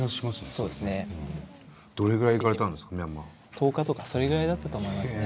１０日とかそれぐらいだったと思いますね。